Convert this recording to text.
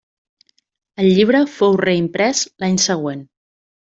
El llibre fou reimprès l'any següent.